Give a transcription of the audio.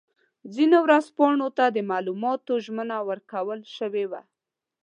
ځینو ورځپاڼو ته د معلوماتو ژمنه ورکړل شوې وه.